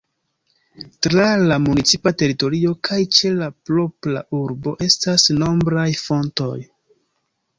Tra la municipa teritorio kaj ĉe la propra urbo estas nombraj fontoj.